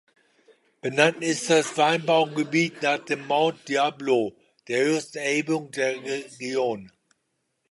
Benannt ist das Weinbaugebiet nach dem Mount Diablo, der höchsten Erhebung der Region.